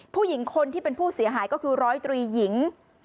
ผู้หญิงคนที่เป็นผู้เสียหายก็คือร้อยตรีหญิง